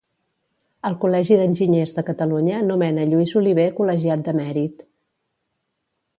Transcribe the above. El Col·legi d'Enginyers de Catalunya nomena Lluís Oliver col·legiat de mèrit.